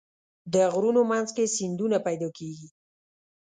د غرونو منځ کې سیندونه پیدا کېږي.